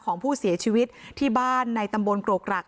ของผู้เสียชีวิตที่บ้านในตำบลกรกรัก